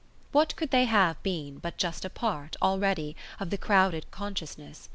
What could they have been but just a part, already, of the crowded consciousness?